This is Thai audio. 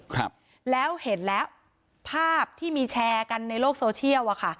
ครับแล้วเห็นแล้วภาพที่มีแชร์กันในโลกโซเชียลอ่ะค่ะ